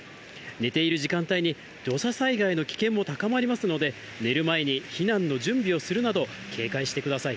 寝ている時間帯に土砂災害の危険も高まりますので、寝る前に避難の準備をするなど、警戒してください。